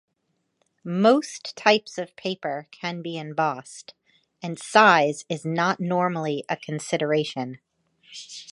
Most types of paper can be embossed, and size is not normally a consideration.